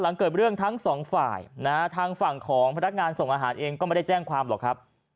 หลังเกิดเรื่องทั้งสองฝ่ายนะฮะทางฝั่งของพนักงานส่งอาหารเองก็ไม่ได้แจ้งความหรอกครับ